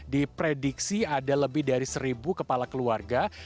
diprediksi ada lebih dari seribu kepala keluarga